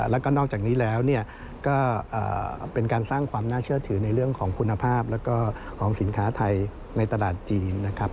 แล้วก็นอกจากนี้แล้วก็เป็นการสร้างความน่าเชื่อถือในเรื่องของคุณภาพแล้วก็ของสินค้าไทยในตลาดจีนนะครับ